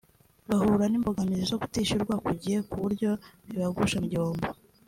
bahura n’imbogamizi zo kutishyurwa ku gihe ku buryo bibagusha mu gihombo